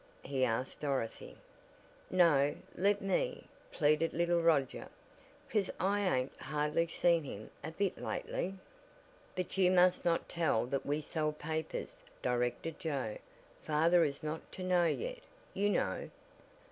he asked Dorothy. "No, let me?" pleaded little Roger, "cause I ain't hardly seen him a bit lately." "But you must not tell that we sold papers," directed Joe. "Father is not to know yet, you know."